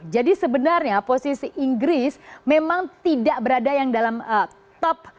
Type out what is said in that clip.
sebenarnya posisi inggris memang tidak berada yang dalam top